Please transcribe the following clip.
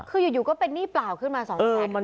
คืออยู่ก็เป็นหนี้เปล่าขึ้นมา๒แสน